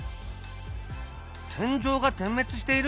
天井が点滅している？